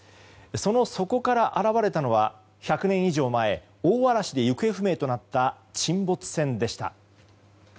その底から現れたのは１００年以上前大嵐で行方不明となった沈没船でした。